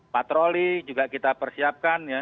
patroli juga kita persiapkan